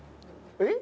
えっ？